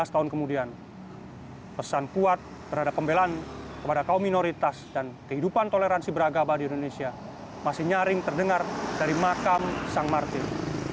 lima belas tahun kemudian pesan kuat terhadap pembelaan kepada kaum minoritas dan kehidupan toleransi beragama di indonesia masih nyaring terdengar dari makam sang martin